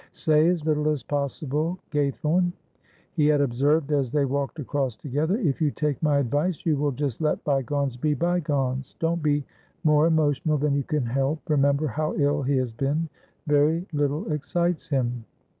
"Say as little as possible, Gaythorne," he had observed as they walked across together; "if you take my advice, you will just let bygones be bygones. Don't be more emotional than you can help; remember how ill he has been, very little excites him."